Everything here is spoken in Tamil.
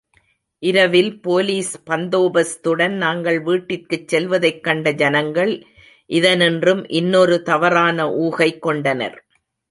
இரவில் போலீஸ் பந்தோபஸ்துடன் நாங்கள் வீட்டிற்குச் செல்வதைக் கண்ட ஜனங்கள், இதனின்றும் இன்னொரு தவறான ஊகை கொண்டனர்.